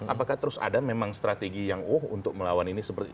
apakah terus ada memang strategi yang uh untuk melawan ini seperti itu